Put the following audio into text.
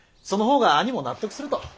その方が兄も納得すると。